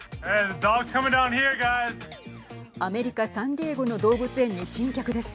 アメリカ、サンディエゴの動物園に珍客です。